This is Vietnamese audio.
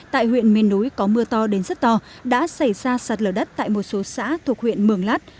tại huyện miền núi có mưa to đến rất to đã xảy ra sạt lở đất tại một số xã thuộc huyện mường lát